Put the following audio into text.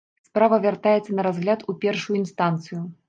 Справа вяртаецца на разгляд у першую інстанцыю.